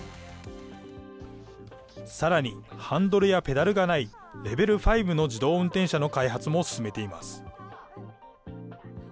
さらに、ハンドルやペダルがないレベル５の自動運転車の開発も進めています。